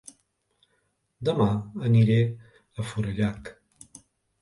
Dema aniré a Forallac